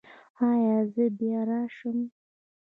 ایا زه بیا راشم؟